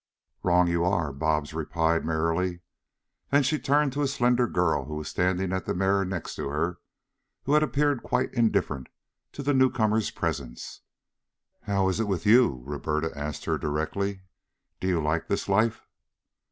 "Wrong you are," Bobs merrily replied. Then she turned to a slender girl who was standing at the mirror next to her, who had appeared quite indifferent to the newcomer's presence. "How is it with you?" Roberta asked her directly. "Do you like this life?"